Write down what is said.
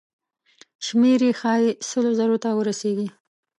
شمېر یې ښایي سلو زرو ته ورسیږي.